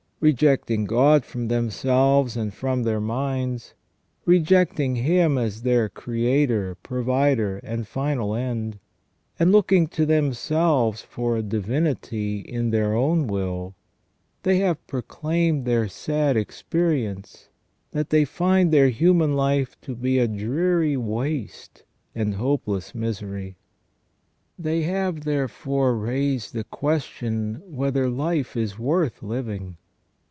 Rejecting God from themselves and from their minds, rejecting Him as their Creator, Provider, and final end, and looking to themselves for a divinity in their own will, they have proclaimed their sad expe rience that they find their human life to be a dreary waste and hopeless misery. They have, therefore, raised the question whether life is worth living